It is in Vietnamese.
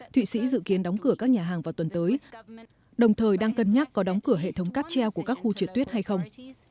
thụy sĩ dự kiến đóng cửa các nhà hàng vào tuần tới đồng thời đang cân nhắc có đóng cửa hệ thống cáp treo của các khu trượt tuyết hay không